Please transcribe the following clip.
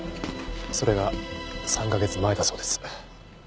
それが３カ月前だそうです。